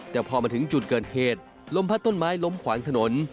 แต่พอมาถึงจุดเกิดเหตุลมพัดต้นไม้ล้มขวางถนน